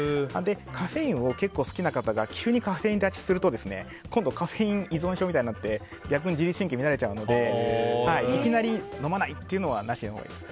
カフェインを結構好きな方が急にカフェイン断ちするとカフェイン依存症みたいになって逆に自律神経乱れちゃうのでいきなり飲まないっていうのはなしのほうがいいです。